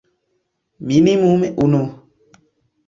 Minimume unu.